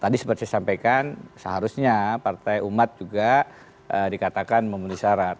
tadi seperti saya sampaikan seharusnya partai umat juga dikatakan memenuhi syarat